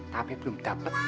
tapi belum dapat